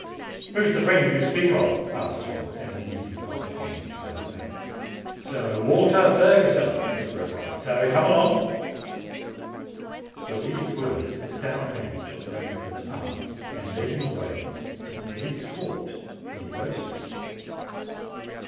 "Who's the friend you speak of?" asked Tom in an easy, off hand kind of manner. "Sir Walter Ferguson," was the reply. "So come along." With these words, the stout man took Rainford's arm and led him away to the Police Court in Bow Street.